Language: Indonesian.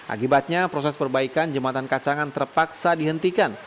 akibatnya proses perbaikan jembatan kacangan terpaksa dihentikan